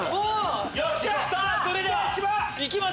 それではいきましょう！